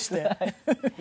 フフフフ。